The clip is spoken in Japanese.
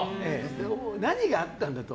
何があったんだと。